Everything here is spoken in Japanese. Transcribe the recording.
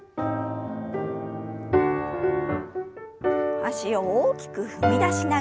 脚を大きく踏み出しながら。